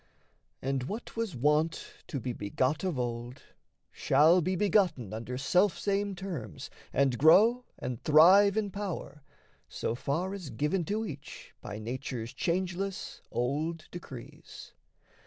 And what was wont to be begot of old Shall be begotten under selfsame terms And grow and thrive in power, so far as given To each by Nature's changeless, old decrees.